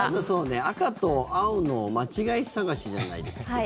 赤と青の間違い探しじゃないですけど。